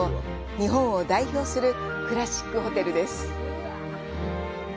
日本を代表するクラシックホテルです。